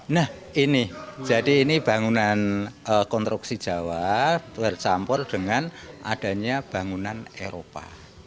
nah ini jadi ini bangunan konstruksi jawa bercampur dengan adanya bangunan eropa